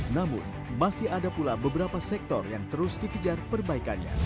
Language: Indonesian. namun masih ada pula beberapa sektor yang terus dikejar perbaikannya